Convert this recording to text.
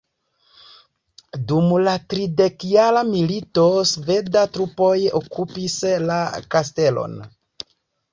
Dum la tridekjara milito sveda trupoj okupis la kastelon.